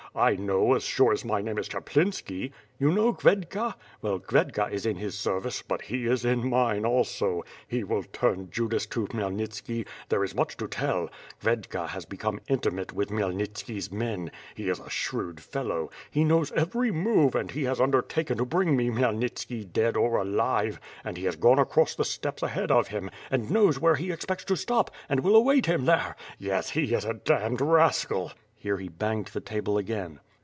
I know as sure as my name is Chap linski. You know Khvedka. Well Khvedka is in his ser vice, but he is in mine also. He will turn Judas to Khmyel ntiski, tho^e is much to tell. Khvedka has become intimate with Khmyelnitski's men. He is a shrewd fellow. He knows every move and has undertaken to bring me Khmyelnitski dead or alive, and he has gone across the steppes ahead of him, and knows where he expects to stop, and will await him there. Yes, he is a damned rascal.'' Here he banged the table again.